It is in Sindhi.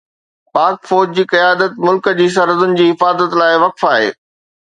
پاڪ فوج جي قيادت ملڪ جي سرحدن جي حفاظت لاءِ وقف آهي.